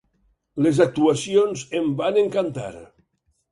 Les actuacions em van encantar.